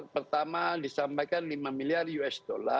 pertama disampaikan lima miliar usd